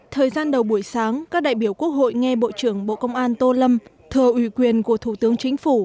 thời gian đầu buổi sáng các đại biểu quốc hội nghe bộ trưởng bộ công an tô lâm thờ ủy quyền của thủ tướng chính phủ